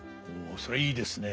それはいいですね。